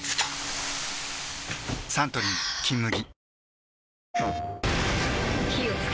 サントリー「金麦」